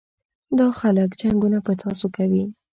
دا خلک جنګونه په تاسو کوي.